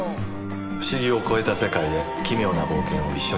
「不思議」を超えた世界へ「奇妙」な冒険を一緒にしましょう。